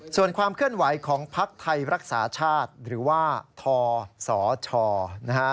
ส่วนความเคลื่อนไหวของภักดิ์ไทยรักษาชาติหรือว่าทศชนะฮะ